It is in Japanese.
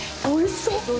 おいしそう。